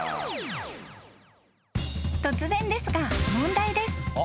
［突然ですが問題です］